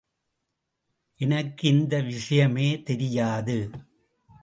எனக்கு இந்த விஷயமே தெரியாது.